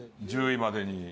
１０位までに。